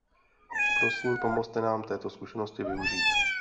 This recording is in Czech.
Prosím, pomozte nám této zkušenosti využít.